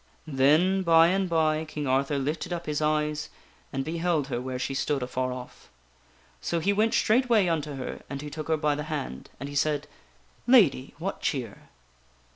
Then, by and by, King Arthur lifted up his eyes and beheld her where she stood afar off. So he went straightway unto her and he took her by the hand, and he said: " Lady, what cheer?"